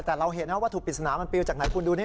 แต่เราเห็นถูกปริศนามันเป็นจากไหนคุณดูนี่